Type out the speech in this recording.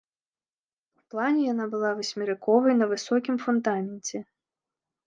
У плане яна была васьмерыковай на высокім фундаменце.